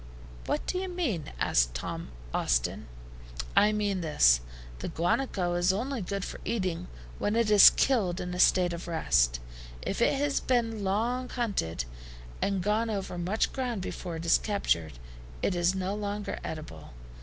"What do you mean?" asked Tom Austin. "I mean this: the guanaco is only good for eating when it is killed in a state of rest. If it has been long hunted, and gone over much ground before it is captured, it is no longer eatable.